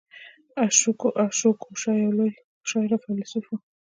اشواګوشا یو لوی شاعر او فیلسوف و